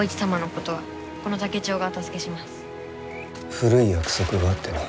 古い約束があってな。